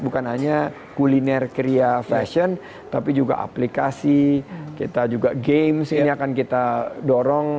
bukan hanya kuliner kria fashion tapi juga aplikasi kita juga games ini akan kita dorong